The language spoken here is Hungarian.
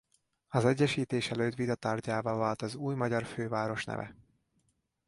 Az egyesítés előtt vita tárgyává vált az új magyar főváros neve.